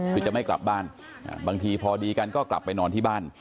คือจะไม่กลับบ้านบางทีพอดีกันก็กลับไปนอนที่บ้าน